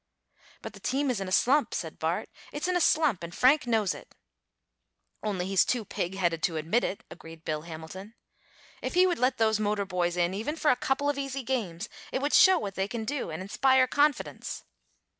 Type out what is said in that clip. "But the team is in a slump," said Bart. "It's in a slump, and Frank knows it." "Only he's too pig headed to admit it," agreed Bill Hamilton. "If he would let those motor boys in even for a couple of easy games, it would show what they can do and inspire confidence."